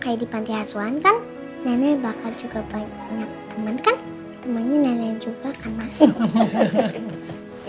kayak di panti asuhan kan nenek bakar juga banyak teman kan temannya nenek juga kan masih